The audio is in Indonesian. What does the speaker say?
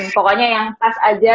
pokoknya yang pas aja